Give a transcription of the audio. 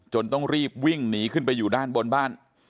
ต้องรีบวิ่งหนีขึ้นไปอยู่ด้านบนบ้าน